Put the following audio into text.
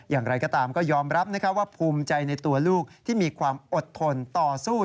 อย่างไรก็ตามก็ยอมรับว่าภูมิใจในตัวลูกที่มีความอดทนต่อสู้